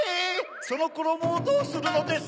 そのころもをどうするのです？